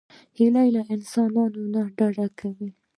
هیلۍ له انسانانو نه ډډه کوي